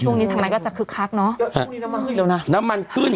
ช่วงนี้ทำไมก็จะคึกคักเนอะช่วงนี้น้ำมันขึ้นแล้วนะน้ำมันขึ้น